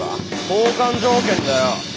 交換条件だよ。